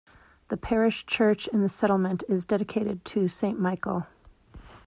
The parish church in the settlement is dedicated to Saint Michael.